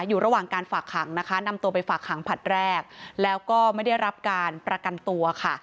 อยู่ระหว่างการฝากขังนะคะนำตัวไปฝากขังผลัดแรกแล้วก็ไม่ได้รับการประกันตัวค่ะ